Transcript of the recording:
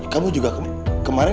kamu juga kemarin